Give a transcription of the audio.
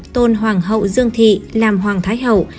tôn hoàng hậu dương thị làm hoàng thái hậu